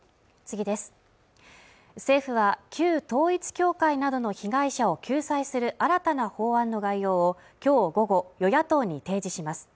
政府は旧統一教会などの被害者を救済する新たな法案の概要を今日午後与野党に提示します